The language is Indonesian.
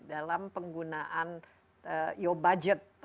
dalam penggunaan budget